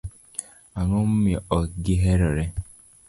Ang'o momiyo ok gi herore?